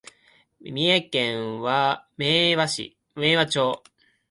三重県明和町